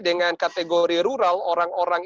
dengan kategori rural orang orang